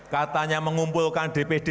katanya mengumpulkan dpd